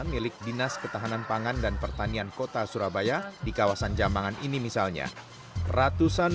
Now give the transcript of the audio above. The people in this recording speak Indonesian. milik dinas ketahanan pangan dan pertanian kota surabaya di kawasan jambangan ini misalnya ratusan